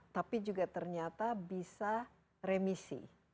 tapi juga ternyata bisa remisi